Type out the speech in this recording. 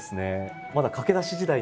まだ駆け出し時代２０代。